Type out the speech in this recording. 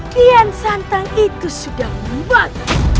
kian santang itu sudah muat